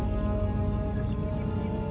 tidak ada apa apa